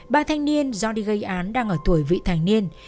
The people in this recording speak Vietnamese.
ba thanh niên do đi gây án đang ở tuổi vị thành niên